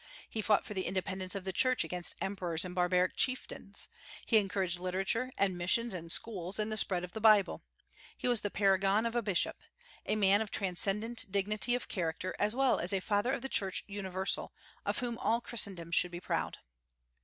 He fought for the independence of the Church against emperors and barbaric chieftains. He encouraged literature and missions and schools and the spread of the Bible. He was the paragon of a bishop, a man of transcendent dignity of character, as well as a Father of the Church Universal, of whom all Christendom should be proud.